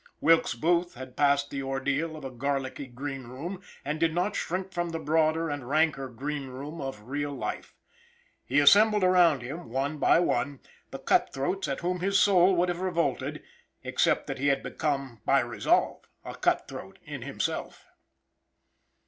Wilkes Booth had passed the ordeal of a garlicky green room, and did not shrink from the broader and ranker green room of real life. He assembled around him, one by one, the cut throats at whom his soul would have revolted, except that he had become, by resolve, a cut throat in himself.